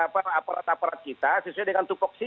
para aparat aparat kita sesuai dengan tukoksinya kan begitu